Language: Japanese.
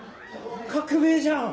革命じゃん！